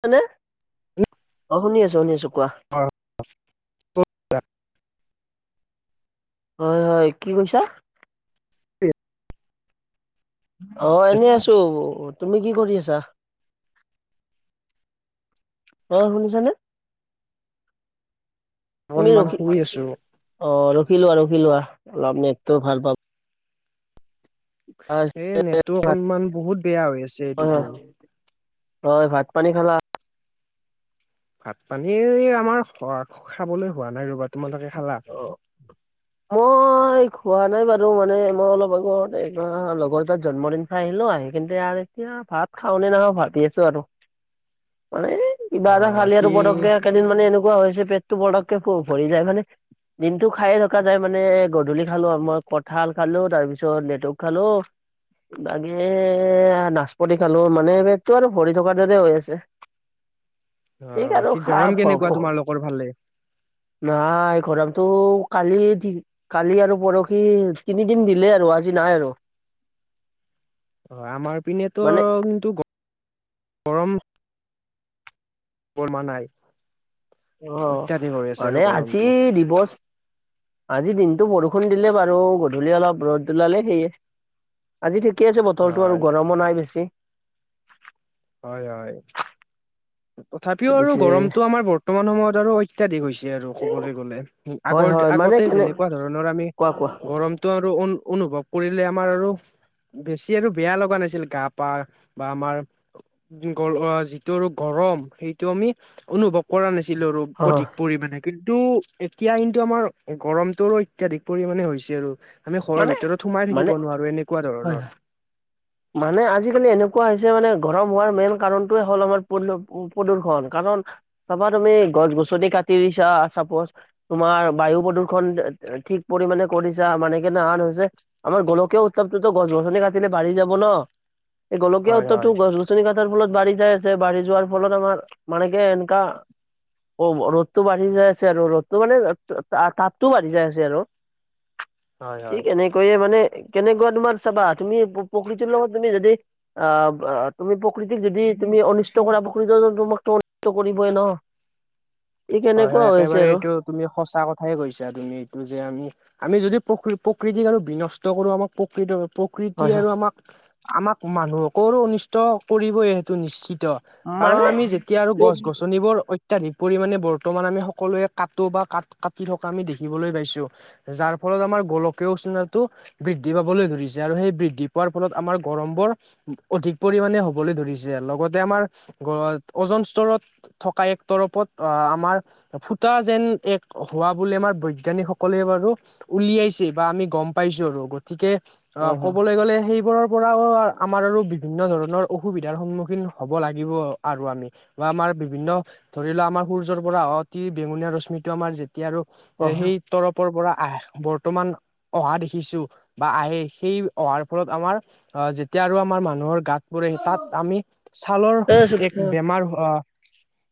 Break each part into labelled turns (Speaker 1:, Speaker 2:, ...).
Speaker 1: হয়নে। শুনি আছো, শুনি আছো কোৱা।
Speaker 2: হয় [inaudible]
Speaker 1: হয়, হয়, কি কৈছা? অ', এনেই আছো তুমি কি কৰি আছা? অ', শুনিছনে? তুমি
Speaker 2: অকনমান
Speaker 1: ৰখি
Speaker 2: শুই আছো
Speaker 1: অ অঁ ৰখি লোৱা ৰখি লোৱা অলপ নেটটো ভাল পাবা
Speaker 2: এ নেটটো অকনমান বহুত বেয়া হৈ আছে এই
Speaker 1: হয়
Speaker 2: দুদিন
Speaker 1: হয় ভাত পানী খালা
Speaker 2: ভাত পানী আমাৰ খোৱা খাবলৈ হোৱা নাই ৰবা তোমালকে খালা।
Speaker 1: অ, মূৰ। খোৱা নাই বাৰু মানে মই অলপ আগত এই লগৰ এটাৰ জন্মদিন খাই আহিলো আহি কিন্ত এতিয়া। ভাত খাওঁনে নাখাও ভাবি আছো আৰু মানে কিবা এটা
Speaker 2: অ'
Speaker 1: খালী আৰু
Speaker 2: বাকী
Speaker 1: পটককে এইকেইদিন মানে এনেকুৱা হৈ আছে পেটটো পটককে ভৰি যায় মানে [unintelligible] দিনটো খায়ে থকা যায় মানে গধূলি খালো আৰু মই কঁঠাল খালো তাৰ পিছত লেটুক খালো ইবাগে নাচপতি খালো মানে পেততো আৰু ভৰি থকাৰ দৰে হৈ আছে [inaudible]
Speaker 2: অ
Speaker 1: ঠিক আৰু
Speaker 2: বাকী
Speaker 1: খা
Speaker 2: গৰম
Speaker 1: ভ ভ
Speaker 2: কেনেকুৱা তোমালোকৰ ফালে
Speaker 1: নাই গৰমটো কালি কালি আৰু পৰখি তিনিদিন দিলে আৰু আজি নাই আৰু
Speaker 2: অ আমাৰ ইপিনেতো
Speaker 1: মানে
Speaker 2: কিন্তু গৰম বৰ্মা নাই
Speaker 1: অ
Speaker 2: অত্যাধিক হৈ আছে আৰু
Speaker 1: মানে আজি
Speaker 2: গৰমটো।
Speaker 1: দিৱস আজি দিনটো বৰষুণ দিলে বাৰু গধূলি অলপ ৰ'দ দিলে সেয়ে আজি ঠিকে আছে বতৰটো
Speaker 2: হয়,
Speaker 1: আৰু গৰমো নাই বেছি
Speaker 2: হয় হয় তথাপিও আৰু
Speaker 1: পিছে
Speaker 2: গৰমটো আমাৰ বৰ্তমান সময়ত আৰু অত্যাধিক হৈছে আৰু ক'বলৈ গলে
Speaker 1: হয়
Speaker 2: আগৰ
Speaker 1: হয় মানে
Speaker 2: আগতে
Speaker 1: কেনে
Speaker 2: যেনেকুৱা ধৰণৰ আমি
Speaker 1: কোৱা কোৱা
Speaker 2: গৰম আৰু অনুভৱ কৰিলে আমাৰ আৰু বেছি আৰু বেয়া লগা নাছিল গা পা বা আমাৰ গল যিটো আৰু গৰম সেইটো আমি অনুভৱ কৰা নাছিলো আৰু
Speaker 1: অ'
Speaker 2: অধিক পৰিমাণে কিন্তু এতিয়া কিন্তু আমাৰ গৰমটো অত্যাধিক পৰিমাণে হৈছে আৰু আমি ঘৰৰ
Speaker 1: মানে
Speaker 2: ভিতৰত সোমাই
Speaker 1: মানে
Speaker 2: থাকিব নোৱাৰো এনেকুৱা ধৰণৰ
Speaker 1: [inaudible] মানে আজিকালি এনেকুৱা হৈছে মানে গৰম হোৱাৰ মেইন কাৰণটোৱে হ'ল আমাৰ প্ৰ প্ৰদূৰ্ষণ কাৰণ চাবা তুমি গছ-গছনি কাটি দিছা চাপজ তোমাৰ বায়ু প্ৰদূষণ ঠিক পৰিমমানে কৰিছা মানে কেনেহান হৈছে আমাৰ গোলকীয় উত্তাপতো টো গছ-গছনি কাটিলে বাঢ়ি যাব ন এই গলকীয়া
Speaker 2: হয়
Speaker 1: উত্তাপটো
Speaker 2: হয়
Speaker 1: গছ গছনি কাটাৰ ফলত বাঢ়ি যাই আছে বাঢ়ি যোৱাৰ ফলত আমাৰ মানে কি এনেকুৱা অ ৰ'দটো বাঢ়ি যাই আছে আৰু ৰ'দটো মানে তাপটো বাঢ়ি যাই আছে আৰু
Speaker 2: হয়
Speaker 1: ঠিক
Speaker 2: হয়
Speaker 1: এনেকৈয়ে মানে কেনেকুৱা তোমাৰ চাবা তুমি প্ৰকৃতিৰ লগত তুমি যদি অ তুমি প্ৰকৃতিক যদি তুমি অনিষ্ট কৰা প্ৰকৃতিটো তোমাকটো অনিষ্ট কৰিবই ন ই
Speaker 2: হয় হয়
Speaker 1: কেনেকুৱা হৈ
Speaker 2: একেবাৰে
Speaker 1: আছে আৰু
Speaker 2: এইটো তুমি সঁচা কথাই কৈছা তুমি এইটো যে আমি আমি যদি প্ৰ প্ৰকৃতিক আৰু বিনষ্ট কৰো আমাক প্ৰকৃৃতিৰ প্ৰকৃতি
Speaker 1: হয়
Speaker 2: আৰু
Speaker 1: হয়
Speaker 2: আমাক আমাক মানুহকৰৰো অনিষ্ট কৰিবই সেইটো নিশ্চিত কাৰণ
Speaker 1: মানে
Speaker 2: আমি যেতিয়া আৰু
Speaker 1: মোক
Speaker 2: গছ-গছনিবোৰ অত্যাধিক পৰিমানে বৰ্ত বৰ্তমান আমি সকলোৱে কাটো বা ক কাটি থকা আমি দেখিবলৈ পাইছো যাৰ ফলত আমাৰ গোলকে উষ্ণতাতো বৃদ্ধি পাবলৈ ধৰিছে আৰু সেই বৃদ্ধি পোৱাৰ ফলত আমাৰ গৰমবোৰ অধিক পৰিমানে হ'বলৈ ধৰিছে লগতে আমাৰ গ্ৰহত অজন স্তৰত থকা এক তৰফত অ আমাৰ ফুটা যেন এক হোৱা বুলি আমাৰ বৈজ্ঞানিক সকলে বাৰু উলিয়াইছে বা আমি গম পাইছো আৰু গতিকে অ
Speaker 1: হয় হয়
Speaker 2: কবলৈ গলে সেইবোৰৰ পৰাও আমাৰ আৰু বিভিন্ন ধৰণৰ অসুবিধাৰ সন্মুখীন হব লাগিব আৰু আমি। বা আমাৰ বিভিন্ন ধৰি লোৱা আমাৰ সূৰ্যৰ পৰা অতি বেঙুনীয়া ৰশ্মিটো আমাৰ যেতিয়া আৰু
Speaker 1: অ
Speaker 2: এ সেই তৰফৰ পৰা আহ বৰ্তমান অহা দেখিছো বা আহে সেই অহাৰ ফলত আমাৰ আহ যেতিয়া আৰু আমাৰ মানুহৰ গাত পোৰে তাত আমি ছালৰ
Speaker 1: এই
Speaker 2: এক
Speaker 1: হয়
Speaker 2: বেমাৰ হোৱা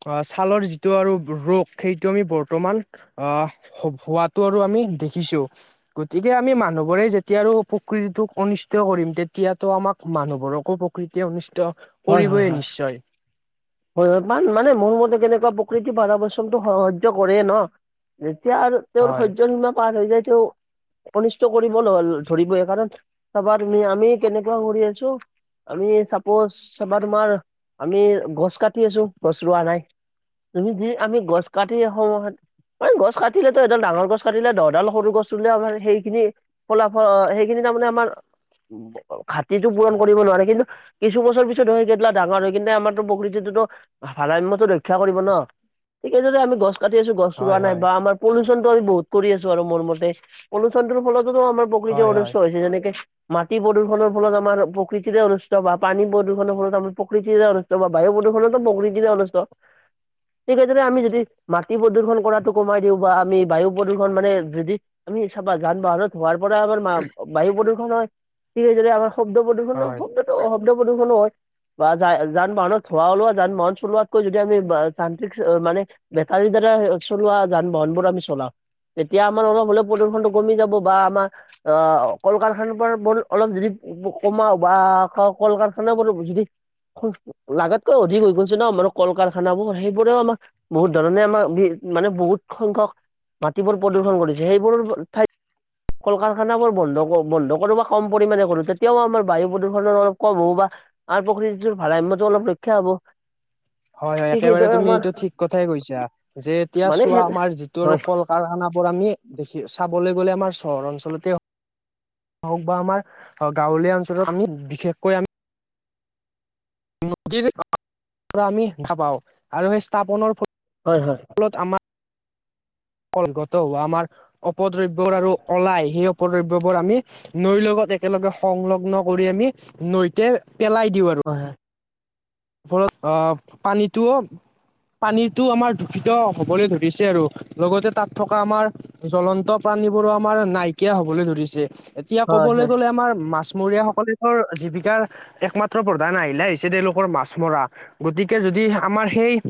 Speaker 2: অ ছালৰ যিটো আৰু ৰোগ সেইটো আমি বৰ্তমান আহ হো হোৱাটো আৰু আমি দেখিছো। গতিকে আমি মানুহবোৰে যেতিয়া আৰু প্ৰকৃতিটোক অনিষ্ট কৰিম তেতিয়াতো আমাক মানুহবোৰকো প্ৰ কৃতিয়ে অনিষ্ট
Speaker 1: হয় হয়
Speaker 2: কৰিবই
Speaker 1: হয়।
Speaker 2: নিশ্চয়
Speaker 1: হয় হয় মান ইমানে মোৰ মতে কেনেকুৱা প্ৰকৃতি ভাৰা বচনটো স সাহায্য কৰে ন। যেতিয়া আৰু তেওঁৰ
Speaker 2: হয়
Speaker 1: সহ্যসীমা পাৰ হৈ যায় ত অনিষ্ট কৰিব ল ধৰিবই কাৰণ চাবাৰ নি আমি কেনেকুৱা কৰি আছো আমি চাপজ চাবা তোমাৰ আমি গছ কাটি আছো, গছ ৰোৱা নাই? তুমি যি আমি গছ কাটি সময় হোৱা ঐ গছ কাটিলে ত এডাল ডাঙৰ গছ কাটিলে দহডাল সৰু গছ ৰুলে আমাৰ সেইখিনি ফলাফল সেইখিনি তাৰমানে আমাৰ ব ঘাটিটো পূৰণ কৰিব নোৱাৰে কিন্তু কিছ ছু বছৰ পিছত হয় সেইবেলা ডাঙৰ হয় কেনে আমাৰতো প্ৰকৃতিটোত ভাৰাসাম্যটো ৰক্ষা কৰিব ন। ঠিক আছে দে, আমি গছ কাটি আছো গছ ৰুৱা
Speaker 2: হয়
Speaker 1: নাই
Speaker 2: হয়
Speaker 1: বা আমাৰ পলিউচনটো আমি বহুত কৰি আছো আৰু মোৰ মতে পলিউচনটো ফলতো ত আমাৰ প্ৰকৃতি
Speaker 2: হয়
Speaker 1: অনুষ্ট
Speaker 2: হয়
Speaker 1: হৈছে যেনেকে মাটি প্ৰদূষনৰ ফলত আমাৰ প্ৰকৃতিৰে অনুষ্ট বা পানী প্ৰদূষণৰ ফলত আমাৰ প্ৰকৃতিৰে অনুষ্ট বা বায়ু প্ৰদূষণতো প্ৰকৃতিৰে অনুষ্ট। ঠিক সেইদৰে আমি যদি মাটি প্ৰদূৰ্ষণ কৰাটো কমাই দিওঁ বা আমি বায়ু প্ৰদূৰ্ষণ মানে যদি আমি চাবা যান - বাহনত হোৱাৰ পৰা আমাৰ মা বায়ু প্ৰদূষণ হয়, ঠিক সেইদৰে আমাৰ শব্দ প্ৰদূষনো
Speaker 2: হয়
Speaker 1: শব্দ শব্দ প্ৰদূষনো হয়। বা যা যান - বাহনত ধোৱা ওলোৱা যান - বাহন চলোৱাতকৈ যদি আমি বা যান্ত্ৰিক চা মানে বেটাৰীৰ দ্বাৰা চলোৱা যান বাহনবোৰ আমি চলাওঁ। তেতিয়া আমাৰ অলপ হলেও প্ৰদূষণটো কমি যাব বা আমাৰ অ কল কাৰখান পৰ বল অলপ যদি ব কমাও বা ক কল কাৰখানাও বাৰু যদি খুব লাগাতকৈ অধিক হৈ গৈছে ন আমাৰ কল কাৰখানাবোৰ সেইবোৰেও আমা বহুত ধৰণে আমাৰ বি মানে বহুত সংখ্যক মাটিবোৰ প্ৰদূষণ কৰিছে সেইবোৰ বোৰ ঠাইত কল কাৰখানাবোৰ বন্ধ ক বন্ধ কৰো বা কম পৰিমাণে কৰো তেতিয়াও আমাৰ বায়ু প্ৰদূষণৰ অলপ কম হ'ব বা আন প্ৰকৃতিটোৰ ভাৰসাম্যটো অলপ ৰক্ষা হ'ব।
Speaker 2: হয় হয়
Speaker 1: ঠিক
Speaker 2: একেবাৰে
Speaker 1: সেইদৰে
Speaker 2: তুমি
Speaker 1: আমাৰ
Speaker 2: এইটো ঠিক কথাই কৈছা যে এতিয়া
Speaker 1: মানে
Speaker 2: চোৱা আমাৰ যিটো আৰু
Speaker 1: হয়
Speaker 2: কল কাৰখানাবোৰ আমি দেখি চাবলৈ গ'লে আমাৰ চহৰ অঞ্চলতে হওক বা আমাৰ আ গাঁৱলীয়া অঞ্চলত আমি বিশেষকৈ আমি নদীৰ পৰা আমি দেখা পাওঁ আৰু সেই স্থাপনৰ ফল
Speaker 1: হয়, হয়।
Speaker 2: আমা কগত হোৱা আমাৰ অপদ্ৰব্যৰ আৰু ওলাই সেই অপদ্ৰব্যবোৰ আমি নৈৰ লগত একেলগে সংলগ্ন কৰি আমি নৈতে পেলাই দিওঁ আৰু
Speaker 1: হয়, হয়।
Speaker 2: ফলত অ' পানীটোও পানীতো আমাৰ দূষিত হ'বলৈ ধৰিছে আৰু লগতে তাত থকা আমাৰ জ্বলন্ত প্ৰাণী বোৰো আমাৰ নাইকিয়া হ'বলৈ ধৰিছে। এতিয়া
Speaker 1: হয় হয়
Speaker 2: ক'বলৈ গ'লে
Speaker 1: হয়
Speaker 2: আমাৰ মাছমৰীয়া সকলে অৰ জীৱিকাৰ একমাত্ৰ প্ৰধান আহিলা আহিলা হৈছে। তেওঁলোকৰ মাছ মৰা। গতিকে যদি আমাৰ সেই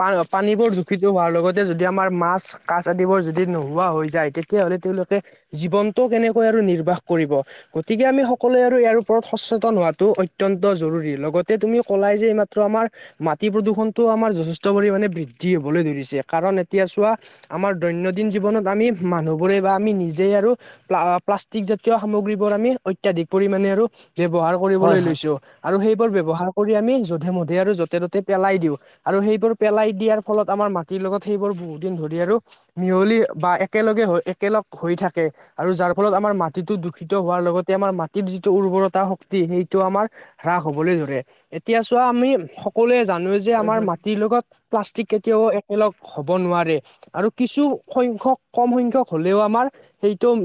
Speaker 2: পা পানীবোৰ দূষিত হোৱাৰ লগতে যদি আমাৰ মাছ কাছ আদিবোৰ যদি নোহোৱা হৈ যায়। তেতিয়াহ'লে তেওঁলোকে জীৱনটো কেনেকৈ আৰু নিৰ্বাহ কৰিব। গতিকে, আমি সকলোৱে আৰু ইয়াৰ ওপৰত সচেতন হোৱাটো অত্যন্ত জৰুৰী। লগতে তুমি অলাই যে এই মাত্ৰ আমাৰ মাটি প্ৰদূৰণটো আমাৰ যথেষ্ট পৰিমানে বৃদ্ধি হ'বলৈ ধৰিছে। কাৰণ এতিয়া চোৱা। আমাৰ দৈনন্দিন জীৱনত আমি মানুহবোৰে বা আমি নিজেই আৰু প্লা প্লাষ্টিক জাতীয় সামগ্ৰীবোৰ আমি অত্যাধিক পৰিমানে আৰু ব্যৱহাৰ
Speaker 1: হয়
Speaker 2: কৰিবলৈ
Speaker 1: হয় হয়
Speaker 2: লৈছোঁ আৰু সেইবোৰ ব্যৱহাৰ কৰি আমি যধে মধে আৰু যতে ত'তে পেলাই দিওঁ। আৰু সেইবোৰ পেলাই দিয়াৰ ফলত আমাৰ মাটিৰ লগত সেইবোৰ বহুত দিন ধৰি আৰু মিহলি বা একেলগে হৈ একেলগ হৈ থাকে। আৰু যাৰ ফলত আমাৰ মাটিটো দূষিত হোৱাৰ লগতে আমাৰ মাটিৰ যিটো উৰ্বৰতা শক্তি। সেইটো আমাৰ হ্ৰাস হবলৈ ধৰে, এতিয়া চোৱা আমি সকলোৱে জানোঁ যে
Speaker 1: হয় হয়
Speaker 2: আমাৰ মাটিৰ লগত প্লাষ্টিক কেতিয়াওঁ একেলগ হ'ব নোৱাৰে। আৰু কিছু সংখ্যক কম সংখ্যক হ'লেও আমাৰ সেইটো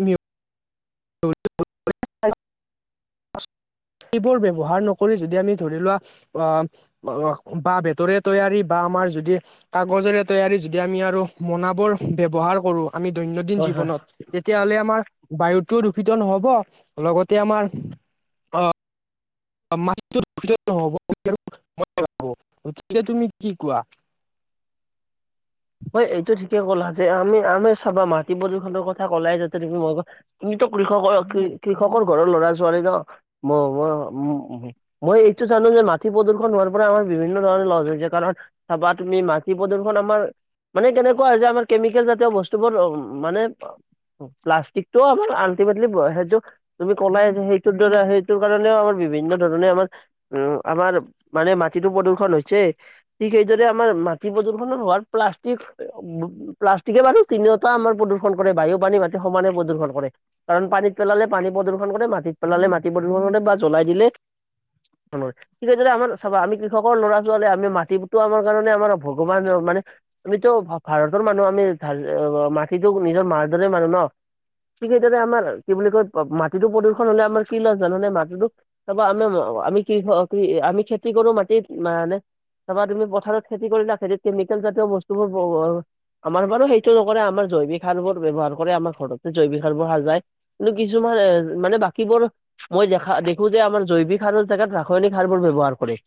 Speaker 2: [unintelligible] সেইবোৰ ব্যৱহাৰ নকৰি যদি আমি ধৰি লোৱা আহ আহ বাহঁ বা বেতৰে তৈয়াৰী বা আমাৰ যদি কাগজৰে তৈয়াৰী যদি আমি আৰু মোনাবোৰৰ ব্যৱহাৰ কৰোঁ। আমি দৈনন্দিন
Speaker 1: হয় হয়
Speaker 2: জীৱনত তেতিয়া হ'লে আমাৰ বায়ুটোৰ দূষিত নহ'ব লগতে আমাৰ অ' মাটিটোৰ দূষিত নহ'ব, [unintelligible] তেতিয়া তুমি কি কোৱা
Speaker 1: হয়, এইটো ঠিকে ক'লা যে আমি আমি চাবা মাটি প্ৰদূষণৰ কথা কলাই যাতে তুমি মই তুমিতো কৃষকৰ কৃষকৰ ঘৰৰ ল'ৰা-ছোৱালী ন ম‌ই উম। মই এইটো জানোঁ যে মাটি প্ৰদূষণ হোৱাৰ পৰা আমাৰ বিভিন্ন ধৰণৰ লছ হৈছে। কাৰণ চাবা তুমি মাটি প্ৰদূষন আমাৰ মানে কেনেকুৱা হৈছে। আমাৰ কেমিকেল জাতীয় বস্তুবোৰ অ' মানে প্লাষ্টিকটো আমাৰ আলটিমেটলি সেইটো তুমি কলাই যিহেতু সেইটোৰ কাৰণে সেইটোৰ কাৰণেও আমাৰ বিভিন্ন ধৰণে আমাৰ উম, আমাৰ মানে মাটিতো প্ৰদূষণ হৈছে। ঠিক সেইদৰে আমাৰ মাটি প্ৰদূ্ষনত হোৱাৰ প্লাষ্টিক প্লাষ্টিকে মানে তিনিওটা আমাৰ প্ৰদূষণ কৰে বায়ু, পানী, মাটি সমানে প্ৰদূষণ কৰে। কাৰণ পানীত পেলালে পানী প্ৰদূষণ কৰে, মাটিত পেলালে মাটি প্ৰদূষণ কৰে বা জ্বলাই দিলে ধৰণৰ ঠিক সেইদৰে আমাৰ চাবা আমি কৃষকৰ ল'ৰা ছোৱালী আমি মাটিটো আমাৰ কাৰণে আমাৰ ভগৱান মানে আমিতো ভাৰতৰ মানুহ আমি মাটিটো নিজৰ মাৰ দৰে মানো ন। ঠিক সেইদৰে আমাৰ কি বুলি কয় মাটিটো প্ৰদূষণ হলে আমাৰ কি লষ্ট জানা নে মাটিটো তাৰপৰা আমি আমি কৃষ আমি খেতি কৰো মাটিত মানে তাৰপৰা তুমি পথাৰত খেতি কৰিলো খেতি কেমিকেল জাতীয় বস্তুবোৰ আমাৰ বাৰু সেইটো নকৰে আমাৰ জৈৱিক সাৰবোৰ ব্যৱহাৰ কৰে আৰু ঘৰতে জৈৱিক সাৰবোৰ সাজায় কিন্তু কিছুমান মানে বাকীবোৰ মই দেখা দেখো যে আমাৰ জৈৱিক সাৰৰ জেগাত ৰাসায়নিক সাৰবোৰ ব্যৱহাৰ কৰে।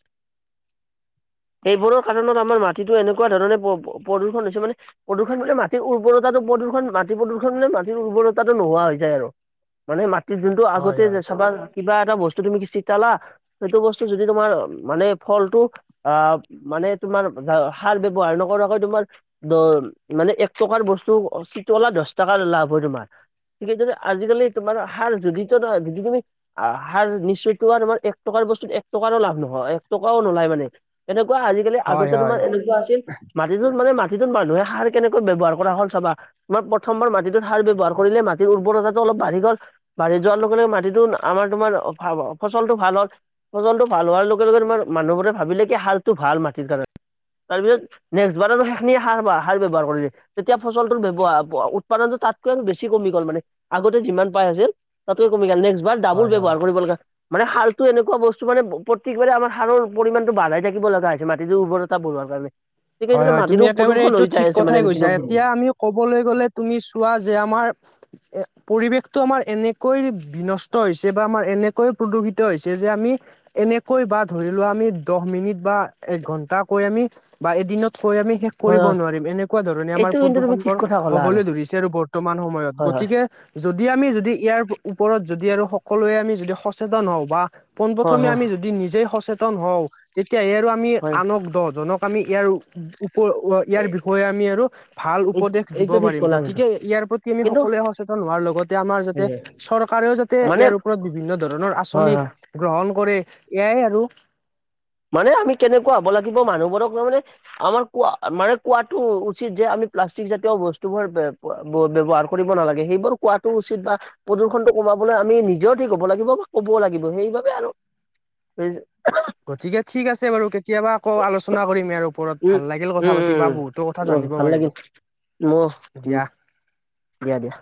Speaker 1: সেইবোৰৰ কাৰনত আমাৰ মাটিটো এনেকুৱা ধৰণে প্ৰদূষণ হৈছে মানে প্ৰদূষণ হলে মাটিৰ উৰ্বৰতাটো প্ৰদূষণ মাটি প্ৰদূষণ হলে, মাটিৰ উৰ্বৰতাটো নোহোৱা হৈ যায় আৰু। মানে মাটিৰ যোনটো
Speaker 2: হয়
Speaker 1: আগতে
Speaker 2: হয়।
Speaker 1: চাবা কিবা এটা বস্তু তুমি কি চিটালা সেইটো বস্তু যদি তোমাৰ মানে ফলটো অ মানে তোমাৰ সাৰ ব্যৱহাৰ নকৰাকৈ তোমাৰ দ মানে এক টকাৰ বস্তু চিটলা দহ টকাৰ লাভ হয় তোমাৰ ঠিকেই যদি আজিকালি তোমাৰ সাৰ যদিত নহয় যদি তুমি আহ সাৰ নিচিটিৱা তোমাৰ এক টকাৰ বস্তুত এক টকাৰো লাভ নহয় এক টকাও নোলায় মানে এনেকুৱা আজিকালি
Speaker 2: হয়
Speaker 1: আগতে তোমাৰ
Speaker 2: হয়
Speaker 1: এনেকুৱা আছিল [unintelligible] মানে মাটিটোত মানুহে সাৰ কেনেকৈ ব্যৱহাৰ কৰা হল চাবা আমাৰ প্ৰথমবাৰ মাটিটোত সাৰ ব্যৱহাৰ কৰিলে মাটিৰ উৰ্বৰতাটো অলপ বাঢ়ি গ'ল। বাঢ়ি যোৱাৰ লগে লগে মাটিটো আমাৰ তোমাৰ ফচলটো ভাল হ'ল ফচলটো ভাল হোৱাৰ লগে লগে তোমাৰ মানুহবোৰে ভাবিলে কি সাৰটো ভাল মাটিৰ কাৰণে তাৰপিছত নেক্স বাৰো সেইখিনি সাৰ সাৰ ব্যৱহাৰ কৰিলে তেতিয়া ফচলটোৰ ব্যৱহাৰ উৎপাদনটো তাতকৈ বেছি কমি গ'ল মানে আগতে যিমান পাই আছিল তাতকে কমি গল নেক্সট বাৰ ডাবুল
Speaker 2: হয় হয়
Speaker 1: ব্যৱহাৰ কৰিব লগা মানে সাৰটো এনেকুৱা বস্তু মানে প্ৰত্যেকবাৰে আমাৰ সাৰৰ পৰিমাণটো বঢ়াই থাকিব লগা হৈছে মাটিটোৰ উৰ্বৰতা বঢ়োৱাৰ কাৰণে।
Speaker 2: হয়
Speaker 1: গতিকে
Speaker 2: হয় তুমি
Speaker 1: মাটিটো
Speaker 2: একেবাৰে
Speaker 1: প্ৰদূষণ
Speaker 2: এইটো
Speaker 1: হৈ যাই
Speaker 2: ঠিক
Speaker 1: আছে মানে
Speaker 2: কথাই কৈছা
Speaker 1: দিনক দিনে
Speaker 2: এতিয়া আমি ক'বলৈ গ'লে তুমি চোৱা যে আমাৰ এ পৰিৱেশটো আমাৰ এনেকৈ বিনষ্ট হৈছে বা আমাৰ এনেকৈ প্ৰদূষিত হৈছে যে আমি এনেকৈ বা ধৰি লোৱা আমি দহ মিনিট বা এক ঘন্টাকৈ আমি বা এদিনত কৈ আমি শেষ
Speaker 1: হয়
Speaker 2: কৰিব
Speaker 1: হয়
Speaker 2: নোৱাৰিম এনেকুৱা ধৰণে আমাৰ
Speaker 1: এইটো কিন্তু তুমি
Speaker 2: প্ৰদূষণ
Speaker 1: ঠিক
Speaker 2: বোৰ
Speaker 1: কথা ক'লা
Speaker 2: হবলৈ ধৰিছে আৰু বৰ্তমান সময়ত
Speaker 1: হয় হয়
Speaker 2: গতিকে যদি আমি যদি ইয়াৰ ওপৰত যদি আৰু সকলোৱে আমি যদি সচেতন হওঁ বা
Speaker 1: হয়
Speaker 2: পোনপ্ৰথমে
Speaker 1: হয়
Speaker 2: আমি যদি নিজেই সচেতন হওঁ তেতিয়া সে আৰু আমি
Speaker 1: হয়
Speaker 2: আনক দহ জনক আমি ইয়াৰ উপ ইয়াৰ বিষয়ে আমি আৰু ভাল
Speaker 1: এইটো
Speaker 2: উপদেশ দিব
Speaker 1: এইটো ঠিক
Speaker 2: পাৰিম
Speaker 1: ক'লা কিন্তু
Speaker 2: গতিকে ইয়াৰ প্ৰতি আমি
Speaker 1: কিন্তু
Speaker 2: সকলোৱে সচেতন হোৱাৰ লগতে আমাৰ যাতে চৰকাৰেও যাতে
Speaker 1: মানে
Speaker 2: ইয়াৰ ওপৰত বিভিন্ন ধৰণৰ
Speaker 1: হয়
Speaker 2: আঁচনি
Speaker 1: হয়
Speaker 2: গ্ৰহণ কৰে এয়াই আৰু
Speaker 1: মানে আমি কেনেকুৱা হ'ব লাগিব মানুহবোৰক মই মানে আমাৰ কোৱা মানে কোৱাটো উচিত যে আমি প্লাষ্টিক জাতীয় বস্তুবোৰ ব্যৱহাৰ কৰিব নালাগে সেইবোৰ কোৱাটো উচিত বা প্ৰদূষণটো কমাবলৈ আমি নিজেও ঠিক হ'ব লাগিব বা ক'বও লাগিব সেইবাবে আৰু [unintelligible]
Speaker 2: গতিকে ঠিক আছে বাৰু কেতিয়াবা আকৌ আলোচনা কৰিম ইয়াৰ ওপৰত ভাল লাগিল কথা
Speaker 1: উম
Speaker 2: পাতি বা বহুতো কথা জানিব পাৰিলো
Speaker 1: ম উম
Speaker 2: দিয়া।
Speaker 1: দিয়া দিয়া।